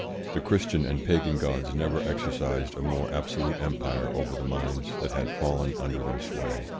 The Christian and Pagan Gods never exercised a more absolute empire over the minds that had fallen under their sway.